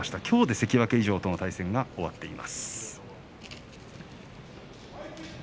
きょうで関脇以上との対戦が終わっています。